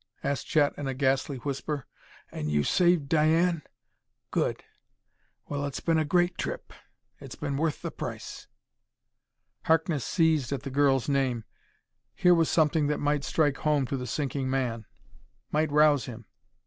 asked Chet in a ghastly whisper. "And you've saved Diane?... Good!... Well, it's been a great trip.... It's been worth the price...." Harkness seized at the girl's name. Here was something that might strike home to the sinking man; might rouse him.